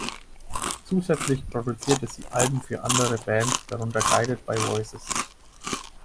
Zusätzlich produzierte sie Alben für andere Bands, darunter Guided by Voices.